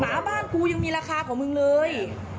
หมาบ้านกูยังมีราคาของมึงเลย